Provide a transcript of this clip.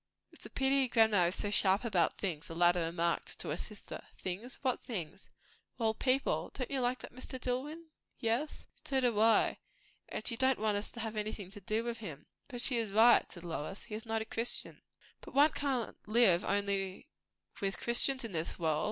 "It's a pity grandma is so sharp about things," the latter remarked to her sister. "Things?" said Lois. "What things?" "Well people. Don't you like that Mr. Dillwyn?" "Yes." "So do I. And she don't want us to have anything to do with him." "But she is right," said Lois. "He is not a Christian." "But one can't live only with Christians in this world.